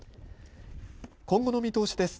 今後の見通しです。